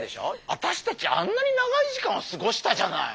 あたしたちあんなに長い時間を過ごしたじゃない。